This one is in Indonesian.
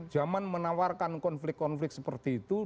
zaman menawarkan konflik konflik seperti itu